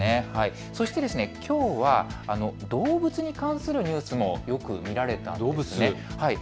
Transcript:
そしてきょうは動物に関するニュースもよく見られています。